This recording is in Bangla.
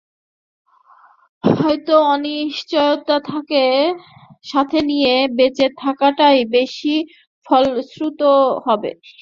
হয়ত অনিশ্চয়তা সাথে নিয়ে, বেচে থাকাটাই বেশি ফলপ্রসূ হবে।